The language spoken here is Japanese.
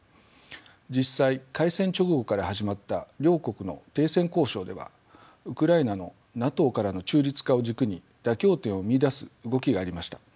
実際開戦直後から始まった両国の停戦交渉ではウクライナのＮＡＴＯからの中立化を軸に妥協点を見いだす動きがありました。